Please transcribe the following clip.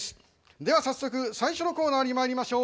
では早速最初のコーナーにまいりましょう。